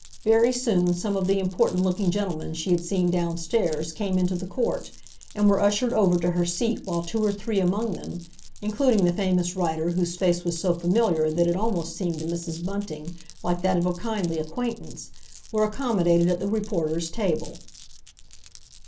Very soon some of the important looking gentlemen she had seen downstairs came into the court, and were ushered over to her seat while two or three among them, including the famous writer whose face was so familiar that it almost seemed to Mrs. Bunting like that of a kindly acquaintance, were accommodated at the reporters' table.